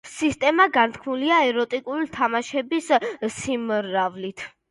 სისტემა განთქმულია ეროტიკული თამაშების სიმრავლით.